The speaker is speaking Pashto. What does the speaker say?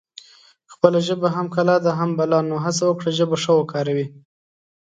خپله ژبه هم کلا ده هم بلا نو هسه وکړی ژبه ښه وکاروي